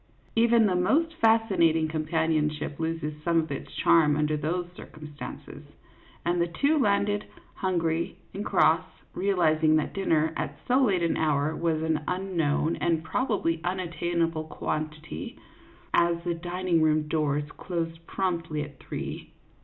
Even the most fascinating com panionship loses some of its charm under these cir cumstances, and the two landed, hungry and cross, realizing that dinner at so late an hour was an un known and probably unattainable quantity, as the dining room doors closed promptly at three.